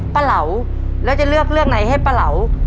เหลาแล้วจะเลือกเรื่องไหนให้ป้าเหลา